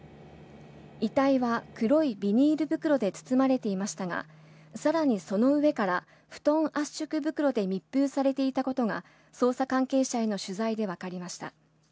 遺体は黒いビニール袋で包まれていましたが、さらにその上から布団圧縮袋で密封されていたことが、捜査関係者への取材で分かりました。